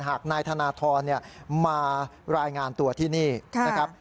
หากนายธนทรมารายงานตัวที่นี่นะครับ